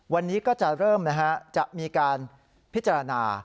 วันนี้ก็จะเริ่มนะฮะจะมีการพิจารณา